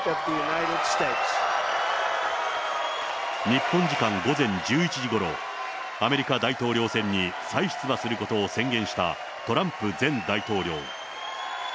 日本時間午前１１時ごろ、アメリカ大統領選に、再出馬することを宣言したトランプ前大統領。